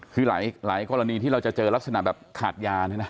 คือหลายกรณีที่เราจะเจอลักษณะแบบขาดยาเนี่ยนะ